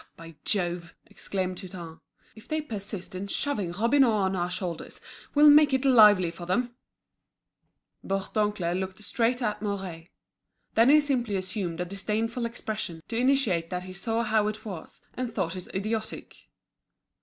"Ah, by Jove!" exclaimed Hutin, "if they persist in shoving Robineau on our shoulders, we'll make it lively for them!" Bourdoncle looked straight at Mouret. Then he simply assumed a disdainful expression, to intimate that he saw how it was, and thought it idiotic.